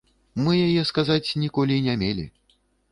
Мы яе, сказаць, ніколі і не мелі.